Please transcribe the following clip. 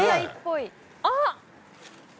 あっ。